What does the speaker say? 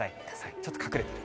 ちょっと隠れてる。